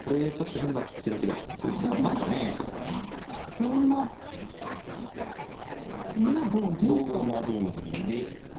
同馬同銀で。